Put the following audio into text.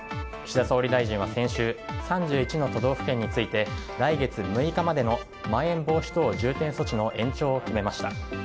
岸田総理大臣は先週３１の都道府県について来月６日までのまん延防止等重点措置の延長を決めました。